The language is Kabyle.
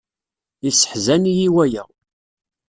Yesseḥzan-iyi waya.